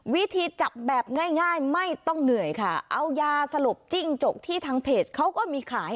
วิธีจับแบบง่ายไม่ต้องเหนื่อยค่ะเอายาสลบจิ้งจกที่ทางเพจเขาก็มีขาย